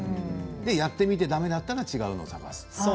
で、やってみてだめだったら違うのを探す。